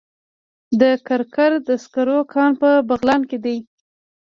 د کرکر د سکرو کان په بغلان کې دی